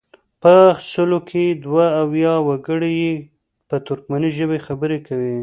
په سلو کې دوه اویا وګړي یې په ترکمني ژبه خبرې کوي.